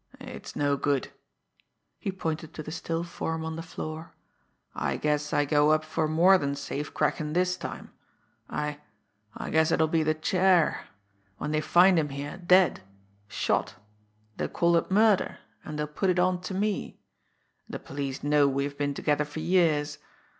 "It's no good." He pointed to the still form on the floor. "I guess I go up for more than safe crackin' this time. I I guess it'll be the chair. When they find him here dead shot they'll call it murder and they'll put it onto me. The police know we have been together for years.